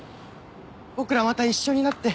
僕らまた一緒になって。